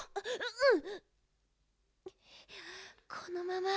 うん。